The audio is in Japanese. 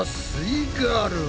イガールは？